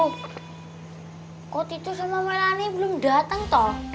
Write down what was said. kok titu sama melani belum dateng toh